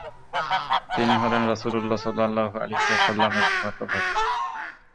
তিনি হলেন রাসূলুল্লাহ সাল্লাল্লাহু আলাইহি ওয়াসাল্লামের ফুফাত ভাই।